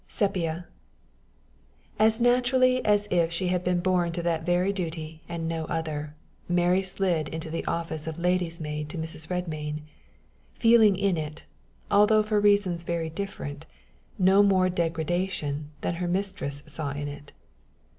SEPIA. As naturally as if she had been born to that very duty and no other, Mary slid into the office of lady's maid to Mrs. Redmain, feeling in it, although for reasons very different, no more degradation than her mistress saw in it.